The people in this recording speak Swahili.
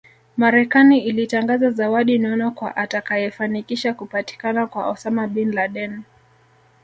Marekani ilitangaza zawadi nono kwa atakayefanikisha kupatikana kwa Osama Bin Laden